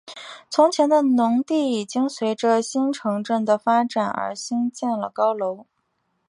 从前的农地已经随着新市镇的发展而兴建了高楼。